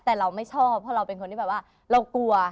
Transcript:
แต่เราไม่ชอบเพราะเราเป็นคนที่แบบว่าเรากลัว